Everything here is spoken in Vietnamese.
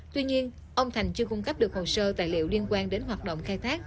tuy nhiên ông thành chưa cung cấp được hồ sơ tài liệu liên quan đến hoạt động khai thác